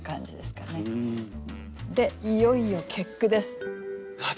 でいよいよ結句です。